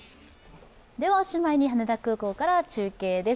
おしまいに羽田空港から中継です。